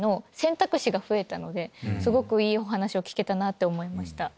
すごくいいお話を聞けたなって思いました。